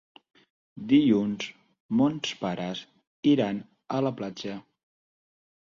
Dilluns mons pares iran a la platja.